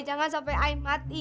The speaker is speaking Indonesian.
jangan sampai i mati ya